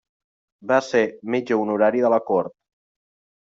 Va ser metge honorari de la Cort.